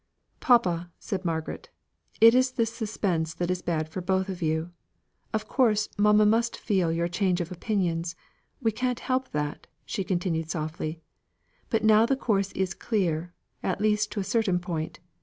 "Papa!" said Margaret, "it is this suspense that is bad for you both. Of course, mamma must feel your change of opinions: we can't help that," she continued softly; "but now the course is clear, at least to a certain point.